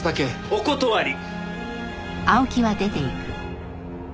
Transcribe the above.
お断り！